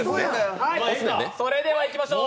それではいきましょう！